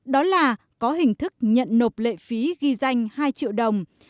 đó là có hình thức nhận nộp lệ phí ghi danh hai triệu đồng